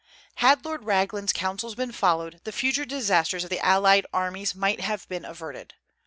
Had Lord Raglan's counsels been followed, the future disasters of the allied armies might have been averted.